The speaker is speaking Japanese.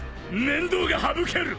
面倒が省ける！